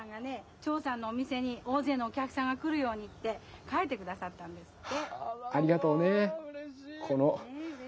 チョーさんのお店におおぜいのおきゃくさんが来るようにってかいてくださったんですって。